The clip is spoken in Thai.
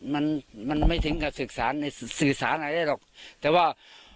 มันมันไม่ถึงกับศึกษาในศึกษาอะไรได้หรอกแต่ว่า